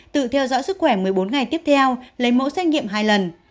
tự theo dõi sức khỏe một mươi bốn ngày tiếp theo lấy mẫu xét nghiệm hai lần